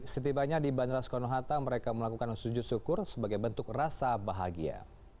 setibanya di bandara soekarno hatta mereka melakukan sujud syukur sebagai bentuk rasa bahagia